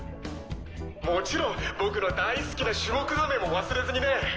もちろん僕の大好きなシュモクザメも忘れずにね！